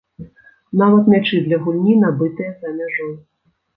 Нават мячы для гульні набытыя за мяжой.